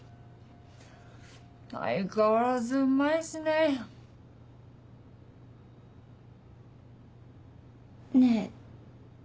相変わらずうまいっすね。ねぇ